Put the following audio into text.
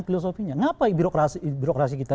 filosofinya kenapa birokrasi kita